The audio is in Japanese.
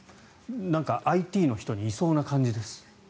なんかＩＴの人にいそうな感じです。